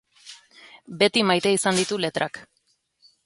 Beti maite izan ditu letrak.